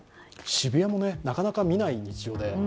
渋谷もなかなか見ないですよね、日常で。